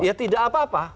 ya tidak apa apa